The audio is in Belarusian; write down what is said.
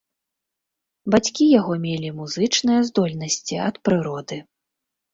Бацькі яго мелі музычныя здольнасці ад прыроды.